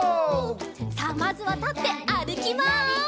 さあまずはたってあるきます！